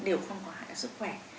đều không có hại sức khỏe